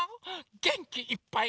げんきいっぱい。